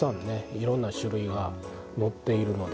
いろんな種類が載っているので。